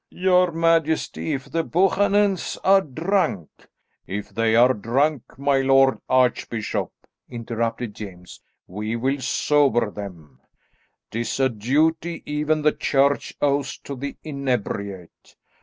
"Your majesty, if the Buchanans are drunk " "If they are drunk, my lord archbishop," interrupted James, "we will sober them. 'Tis a duty even the Church owes to the inebriate."